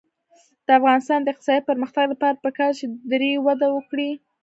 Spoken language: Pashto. د افغانستان د اقتصادي پرمختګ لپاره پکار ده چې دري وده وکړي.